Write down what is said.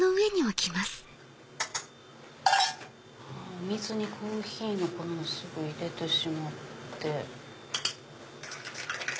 お水にコーヒーの粉をすぐ入れてしまって。